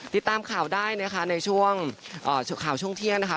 ติดตามข่าวได้นะคะในช่วงข่าวช่วงเที่ยงนะคะ